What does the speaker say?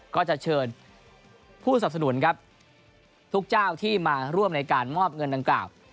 ก็จะเชิญผู้สับสนุนครับทุกเจ้าที่มาร่วมในการมอบเงินดังกล่าว